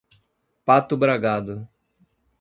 Pato Bragado